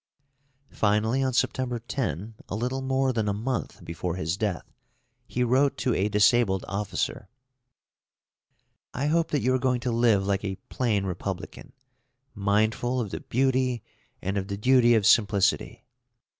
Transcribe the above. Finally, on September 10, a little more than a month before his death, he wrote to a disabled officer: I hope that you are going to live like a plain republican, mindful of the beauty and of the duty of simplicity.